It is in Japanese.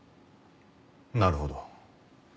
なるほど。